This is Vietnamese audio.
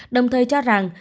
đồng thời cho rằng